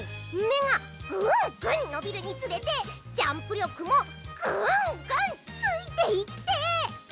めがぐんぐんのびるにつれてジャンプりょくもぐんぐんついていって。